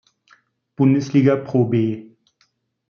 Bundesliga ProB.